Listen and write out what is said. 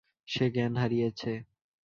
সে জ্ঞান হারিয়েছে?